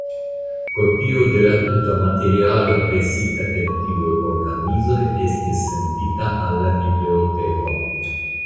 Kopio de la tuta materialo presita en tiuj organizoj estas sendita al la biblioteko.